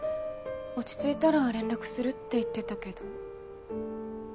落ち着いたら連絡するって言ってたけど。